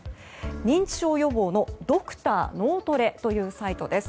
認知症予防のＤｒ．脳トレというサイトです。